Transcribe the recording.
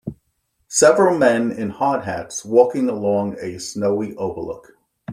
Several men in hard hats walking along a snowy overlook.